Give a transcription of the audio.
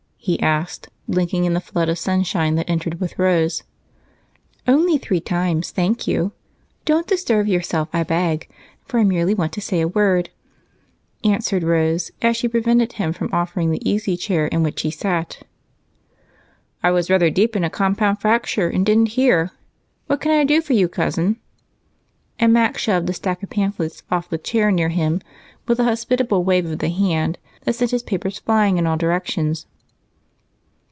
he asked, blinking in the flood of sunshine that entered with Rose. "Only three times, thank you. Don't disturb yourself, I beg, for I merely want to say a word," answered Rose as she prevented him from offering the easy chair in which he sat. "I was rather deep in a compound fracture and didn't hear. What can I do for you, Cousin?" And Mac shoved a stack of pamphlets off the chair near him with a hospitable wave of the hand that sent his papers flying in all directions.